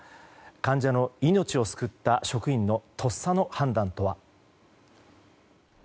患者の命を救った職員のとっさの判断とは。